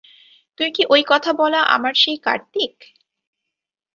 তুই কি ওই কথা বলা আমার সেই কার্তিক!